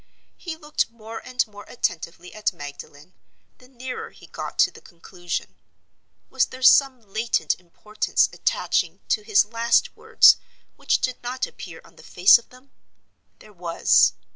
He looked more and more attentively at Magdalen, the nearer he got to the conclusion. Was there some latent importance attaching to his last words which did not appear on the face of them? There was.